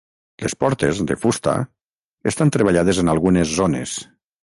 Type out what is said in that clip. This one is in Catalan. Les portes, de fusta, estan treballades en algunes zones.